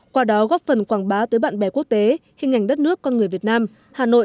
qua đó góp phần quảng bá tới bạn bè quốc tế hình ảnh đất nước con người việt nam hà nội